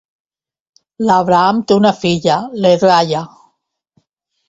L'Abraham té una filla, l'Edraya.